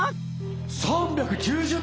３９０点！